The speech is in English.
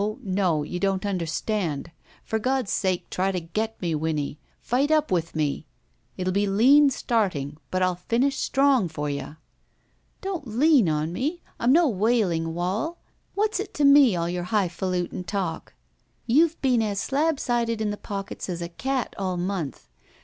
No. You don't understand. For God's sake try to get me, Winnie. Fight up with me. It 'U be lean, starting, but I'll finish strong for you." " Don't lean on me. I'm no wailing wall. What's it to me all your highfaluting talk. You've been as slab sided in the pockets as a cat all month.